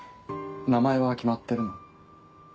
名前は決まってるの？